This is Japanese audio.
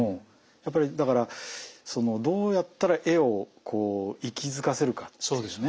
やっぱりだからそのどうやったら絵をこう息づかせるかっていうね